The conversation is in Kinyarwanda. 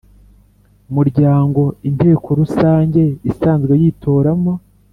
Muryango Inteko Rusange Isanzwe yitoramo